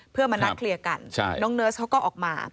เพื่อมานัดเคลียร์กันน้องเนิร์สเขาก็ออกมา